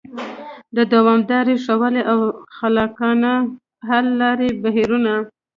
د دوامداره ښه والي او خلاقانه حل لارو بهیرونه